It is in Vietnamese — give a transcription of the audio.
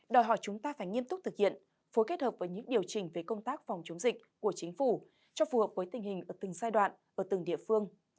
đòi hỏi chúng ta phải nghiêm túc thực hiện phối kết hợp với những điều chỉnh về công tác phòng chống dịch của chính phủ cho phù hợp với tình hình ở từng giai đoạn ở từng địa phương